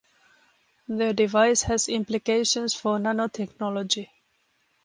The device has implications for nanotechnology.